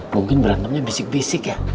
mungkin berantemnya bisik bisik ya